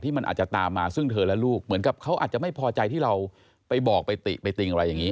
มันอาจจะตามมาซึ่งเธอและลูกเหมือนกับเขาอาจจะไม่พอใจที่เราไปบอกไปติไปติ่งอะไรอย่างนี้